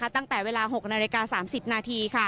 ตั้งแต่เวลา๖นาฬิกา๓๐นาที